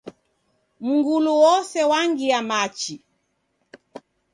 Mngulu wose wangia machi.